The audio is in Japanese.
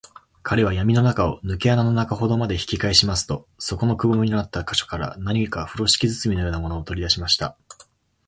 彼はやみの中を、ぬけ穴の中ほどまで引きかえしますと、そこの壁のくぼみになった個所から、何かふろしき包みのようなものを、とりだしました。